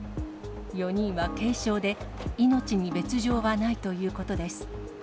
４人は軽傷で、命に別状はないということです。